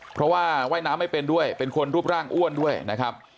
เพราะว่าว่ายน้ำไม่เป็นด้วยเป็นคนรูปร่างอ้วนด้วยนะครับ